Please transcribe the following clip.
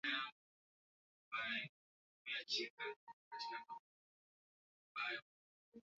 Mchele moja mapishi mengi